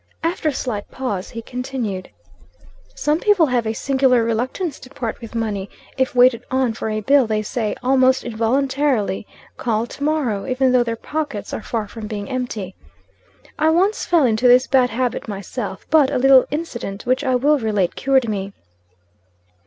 After a slight pause, he continued, "Some people have a singular reluctance to part with money. If waited on for a bill, they say, almost involuntarily, 'Call to morrow,' even though their pockets are far from being empty. "I once fell into this bad habit myself; but, a little incident, which I will relate, cured me.